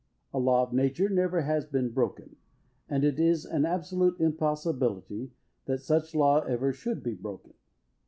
A law of nature never has been broken. And it is an absolute impossibility that such law ever should be broken.